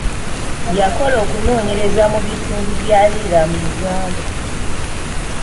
Yakola okunoonyereza mu bitundu bye Lira mu Uganda.